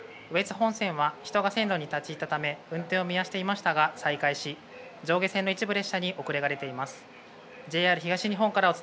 本線は人が線路に立ち入ったため、運転を見合わせていましたが再開し、上下線の一部列車に遅れが出ています。